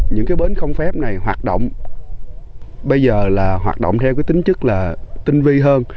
những cái bến không phép này hoạt động bây giờ là hoạt động theo cái tính chất là tinh vi hơn